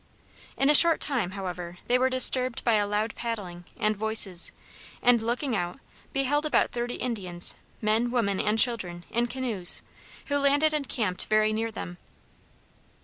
In a short time, however, they were disturbed by a loud paddling, and voices; and looking out, beheld about thirty Indians, men, women, and children, in canoes, who landed and camped very near them.